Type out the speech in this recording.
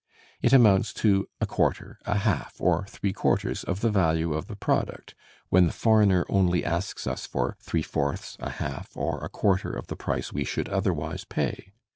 It amounts to a quarter, a half, or three quarters of the value of the product, when the foreigner only asks us for three fourths, a half, or a quarter of the price we should otherwise pay.